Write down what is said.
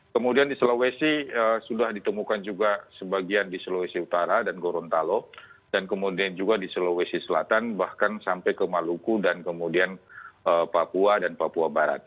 kemudian di sulawesi sudah ditemukan juga sebagian di sulawesi utara dan gorontalo dan kemudian juga di sulawesi selatan bahkan sampai ke maluku dan kemudian papua dan papua barat